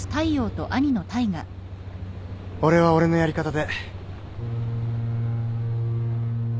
俺は俺のやり方で